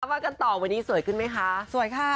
มากันต่อวันนี้สวยขึ้นมั้ยคะ